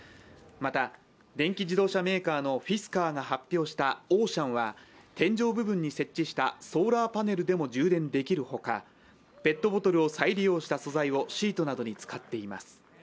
また電気自動車メーカーのフィスカーが発表したオーシャンは天井部分に設置したソーラーパネルでも充電できる他、ペットボトルを再利用した素材をシートなどに使っています。